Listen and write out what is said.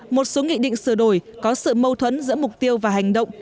một số nghị định sửa đổi có sự mâu thuẫn giữa mục tiêu và hành động